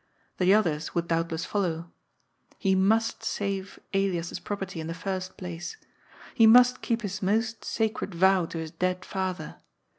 The others would doubtless follow. He must save Elias's prop erty in the first place. He must keep his most sacred vow to his dead father.